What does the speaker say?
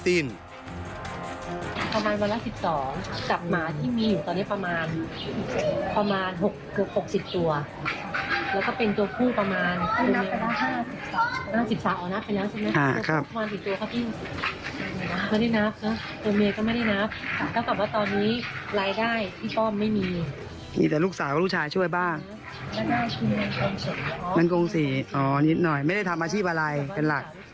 เพราะว่าเราไม่มีสังเงินกับทุกวัน